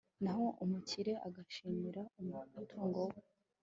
naho umukire agashimirwa umutungo we